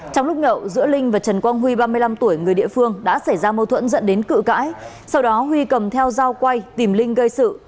trong lúc nhậu giữa linh và trần quang huy ba mươi năm tuổi người địa phương đã xảy ra mâu thuẫn dẫn đến cự cãi sau đó huy cầm theo dao quay tìm linh gây sự